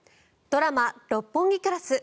ドラマ「六本木クラス」。